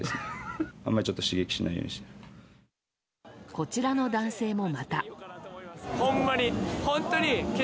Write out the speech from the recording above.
こちらの男性もまた。